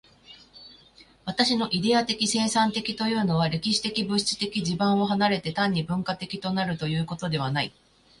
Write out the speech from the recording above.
私のイデヤ的生産的というのは、歴史的物質的地盤を離れて、単に文化的となるということではない。